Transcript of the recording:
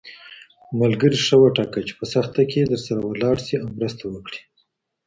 ملګري ښه وټاکه چي په سخته کي درسره ولاړ سي او مرسته وکړي .